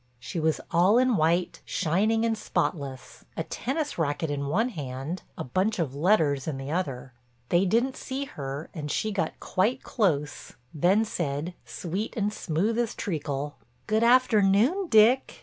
She was all in white, shining and spotless, a tennis racket in one hand, a bunch of letters in the other. They didn't see her and she got quite close, then said, sweet and smooth as treacle: "Good afternoon, Dick."